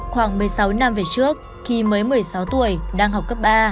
khoảng một mươi sáu năm về trước khi mới một mươi sáu tuổi đang học cấp ba